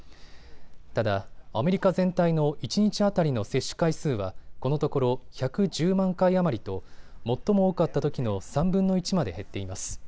ただアメリカ全体の一日当たりの接種回数はこのところ１１０万回余りと最も多かったとときの３分の１まで減っています。